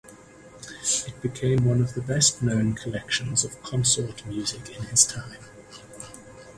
It became one of the best known collections of consort music in his time.